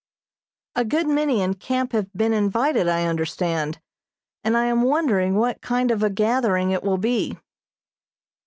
A good many in camp have been invited, I understand, and I am wondering what kind of a gathering it will be.